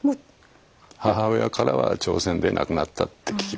母親からは朝鮮で亡くなったって聞いてました。